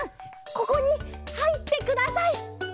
ここにはいってください！